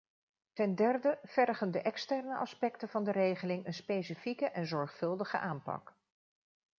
Ten derde vergen de externe aspecten van de regeling een specifieke en zorgvuldige aanpak.